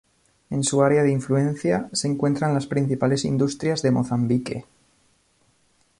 En su área de influencia, se encuentran las principales industrias de Mozambique.